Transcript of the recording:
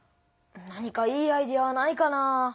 何かいいアイデアはないかな？